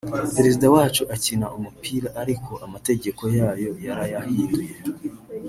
Perezida wacu akina umupira ariko amategeko yayo yarayahinduye